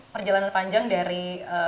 perjalanan panjang dari